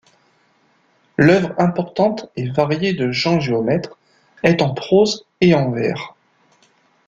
L'œuvre importante et variée de Jean Géomètre est en prose et en vers.